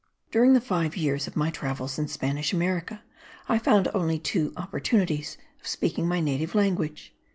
During the five years of my travels in Spanish America I found only two opportunities of speaking my native language.